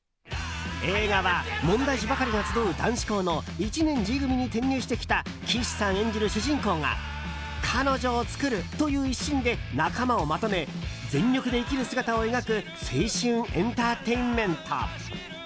映画は、問題児ばかりが集う男子校の１年Ｇ組に転入してきた岸さん演じる主人公が彼女を作る！という一心で仲間をまとめ全力で生きる姿を描く青春エンターテインメント。